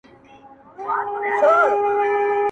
زما گرېوانه رنځ دي ډېر سو ،خدای دي ښه که راته.